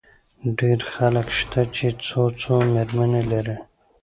ډېر خلک شته، چي څو څو مېرمنې لري.